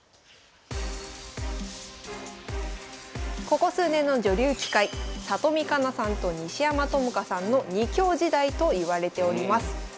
ここ数年の女流棋界里見香奈さんと西山朋佳さんの２強時代といわれております。